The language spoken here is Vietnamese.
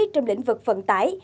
trong lĩnh vực vận tải